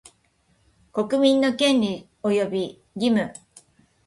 国民の権利及び義務